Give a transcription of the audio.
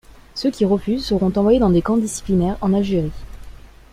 Ceux qui refusent seront envoyés dans des camps disciplinaires en Algérie.